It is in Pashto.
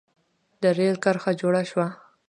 د رېل کرښه جوړه شوه.